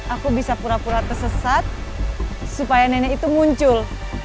aku bisa pura pura tersesat supaya nenek itu muncul